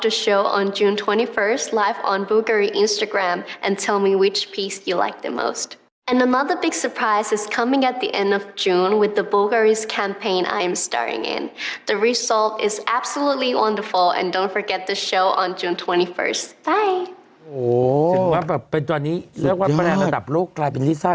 โอ้โหถูกทนว่าแบบเป็นตัวนี้เรียกว่าระดับโลกใกล้เป็นลีซ่าแบล็กพริงก์อ่ะ